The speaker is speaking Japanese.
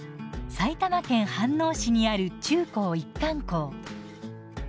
埼玉県飯能市にある中高一貫校。